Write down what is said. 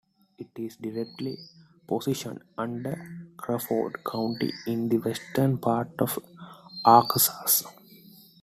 It is directly positioned under Crawford County in the western part of Arkansas.